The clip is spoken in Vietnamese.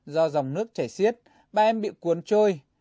do dòng nước chảy xiết bà em bị cuốn trôi